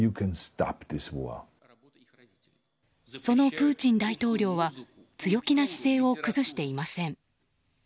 そのプーチン大統領は強気な姿勢を崩していません。